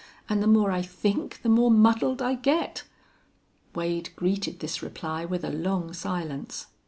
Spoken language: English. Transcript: And the more I think the more muddled I get." Wade greeted this reply with a long silence.